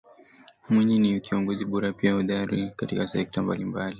Mwinyi ni kiongozi bora pia ni nahodha bora katika sekta mbalimbali